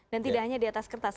dan tidak hanya di atas kertas